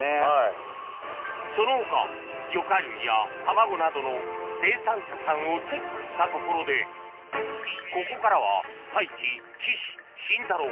その他魚介類や卵などの生産者さんをチェックしたところでここからは太一岸シンタロー